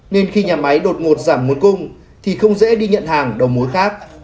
nên khi nhà máy đột ngột giảm một cung thì không dễ đi nhận hàng đầu mối khác